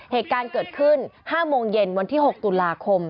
เหตุการณ์เกิดขึ้น๕โมงเย็นวันที่๖ตุลาคม